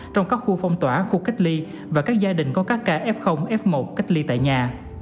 trong các khu phong tỏa khu cách ly và các gia đình có các ca f f một cách ly tại nhà